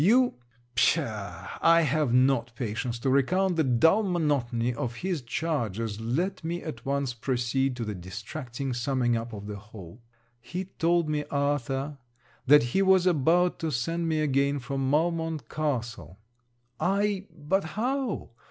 You ' Pshaw! I have not patience to recount the dull monotony of his charges, let me at once proceed to the distracting summing up of the whole. He told me, Arthur, that he was about to send me again from Valmont castle. Ay, but how?